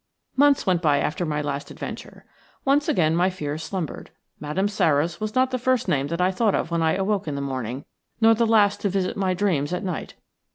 Months went by after my last adventure. Once again my fears slumbered. Madame Sara's was not the first name that I thought of when I awoke in the morning, nor the last to visit my dreams at night.